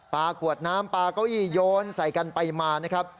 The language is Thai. ขวดน้ำปลาเก้าอี้ยนใส่กันไปมานะครับ